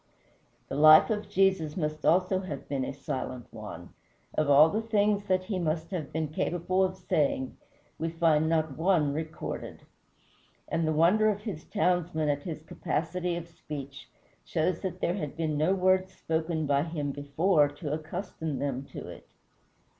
The life of Jesus must also have been a silent one. Of all the things that he must have been capable of saying we find not one recorded. And the wonder of his townsmen at his capacity of speech shows that there had been no words spoken by him before to accustom them to it.